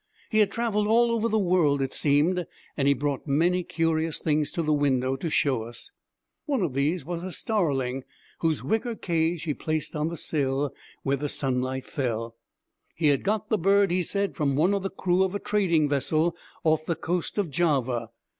He had traveled all over the world, it seemed, and he brought many curious things to the window to show us. One of these was a starling, whose wicker cage he placed on the sill where the sunlight fell. He had got the bird, he said, from one of the crew of a trading vessel off the coast of Java.